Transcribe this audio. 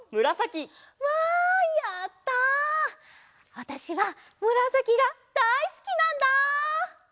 わたしはむらさきがだいすきなんだ！